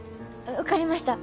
分かりました。